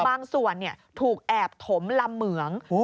บางส่วนถูกแอบถมลำเหมือง